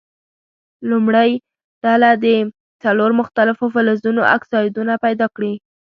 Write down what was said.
لومړۍ ډله دې څلور مختلفو فلزونو اکسایدونه پیداکړي.